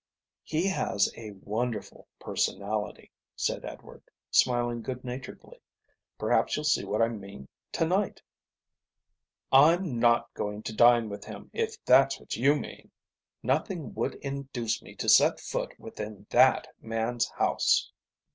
"He has a wonderful personality," said Edward, smiling good naturedly. "Perhaps you'll see what I mean to night." "I'm not going to dine with him if that's what you mean. Nothing would induce me to set foot within that man's house."